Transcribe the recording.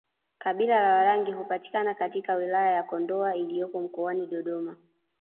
Kabila la Warangi hupatikana katika wilaya ya Kondoa iliyopo mkoani Dodoma